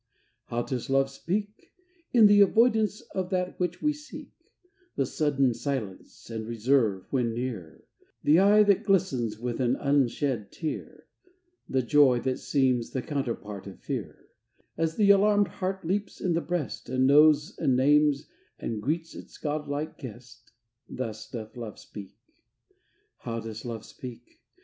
How does Love speak? In the avoidance of that which we seek The sudden silence and reserve when near The eye that glistens with an unshed tear The joy that seems the counterpart of fear, As the alarmed heart leaps in the breast, And knows and names and greets its godlike guest Thus doth Love speak. How does Love speak?